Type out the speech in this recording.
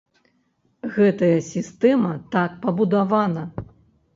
Гэтая сістэма так пабудавана.